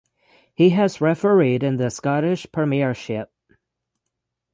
He has refereed in the Scottish Premiership.